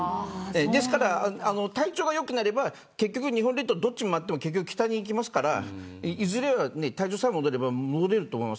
ですから体調が良くなれば結局、日本列島どっちに回っても北に行きますからいずれは体調さえ戻れば戻れると思います。